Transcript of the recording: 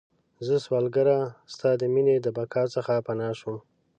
زه سوالګره ستا د میینې، د بقا څخه پناه شوم